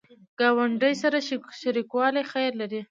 ګاونډي سره شریکوالی خیر لري